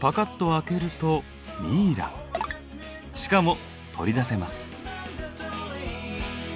しかも取り出せます。